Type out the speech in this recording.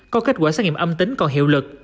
có kết quả xét nghiệm âm tính còn hiệu lực